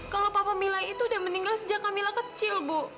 kalau papa mila itu udah meninggal sejak kamila kecil bu